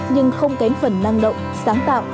nhưng không kém phần năng động sáng tạo